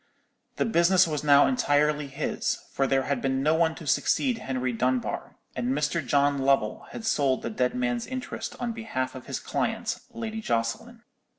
The business was now entirely his; for there had been no one to succeed Henry Dunbar, and Mr. John Lovell had sold the dead man's interest on behalf of his client, Lady Jocelyn.